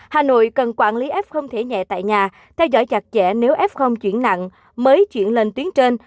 hà nội cần quản lý f không thể nhẹ tại nhà theo dõi chặt chẽ nếu f chuyển nặng mới chuyển lên tuyến trên